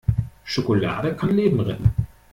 Schokolade kann Leben retten!